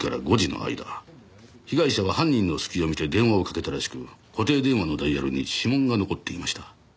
被害者は犯人の隙を見て電話をかけたらしく固定電話のダイヤルに指紋が残っていました。